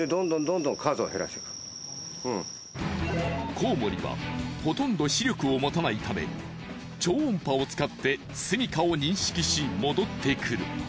コウモリはほとんど視力を持たないため超音波を使って住みかを認識し戻ってくる。